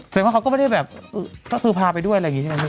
ว่าเขาก็ไม่ได้แบบก็คือพาไปด้วยอะไรอย่างนี้ใช่ไหม